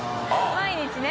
毎日ね。